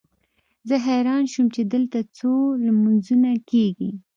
زه حیران شوم چې دلته څو لمونځونه کېږي.